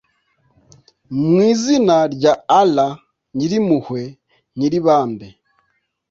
mu izina rya allah, nyir’impuhwe, nyir’ibambe.